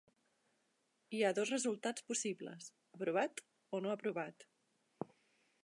Hi ha dos resultats possibles: aprovat o no aprovat.